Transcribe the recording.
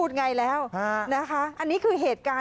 เยี่ยมมากครับ